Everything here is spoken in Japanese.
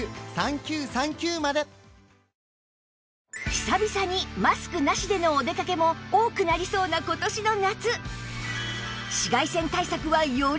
久々にマスクなしでのお出かけも多くなりそうな今年の夏